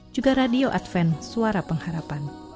juga radio adven suara pengharapan